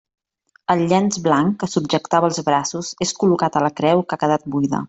El llenç blanc que subjectava els braços és col·locat a la creu que ha quedat buida.